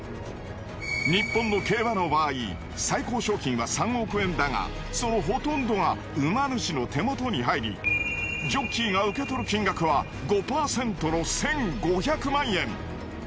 日本の競馬の場合最高賞金は３億円だがそのほとんどが馬主の手元に入りジョッキーが受け取る金額は５％の１，５００万円。